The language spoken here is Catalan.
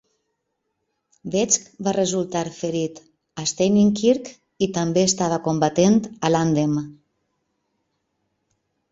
Vetch va resultar ferit a Steinkirk i també estava combatent a Landen.